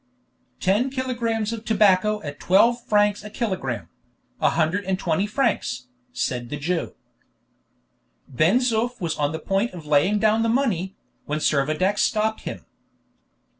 "Ten kilogrammes of tobacco at twelve francs a kilogramme: a hundred and twenty francs," said the Jew. Ben Zoof was on the point of laying down the money, when Servadac stopped him.